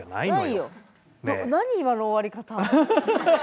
何今の終わり方。